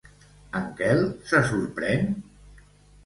En Quel se sorprèn?